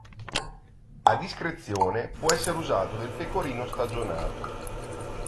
A discrezione può essere usato del pecorino stagionato.